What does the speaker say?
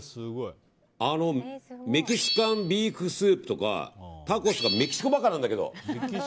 メキシカンビーフスープとかタコスとかメキシコばっかなんだけど！